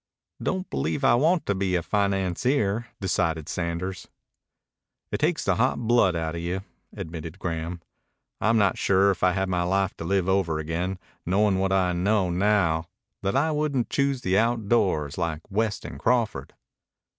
"Don't believe I want to be a financier," decided Sanders. "It takes the hot blood out of you," admitted Graham. "I'm not sure, if I had my life to live over again, knowing what I know now, that I wouldn't choose the outdoors like West and Crawford."